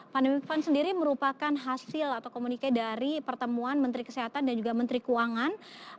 pandemic fund sendiri merupakan hasil atau komunikasi dari pertemuan menteri kesehatan dan juga menteri keuangan